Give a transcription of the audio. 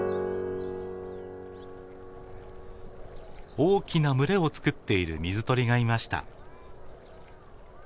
大きな群れをつくっている水鳥がいました。